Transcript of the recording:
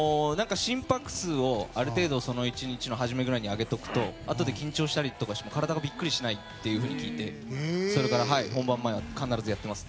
心拍数を、ある程度１日の初めくらいに上げておくとあとで緊張したりしても体がビックリしないって聞いてそれから本番前に必ずやってます。